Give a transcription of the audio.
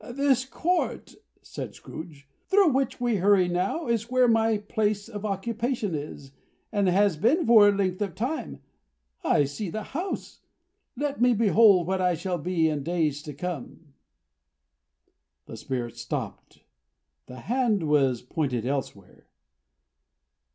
"This court," said Scrooge, "through which we hurry now, is where my place of occupation is, and has been for a length of time. I see the house. Let me behold what I shall be, in days to come." The Spirit stopped; the hand was pointed elsewhere.